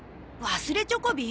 忘れチョコビ？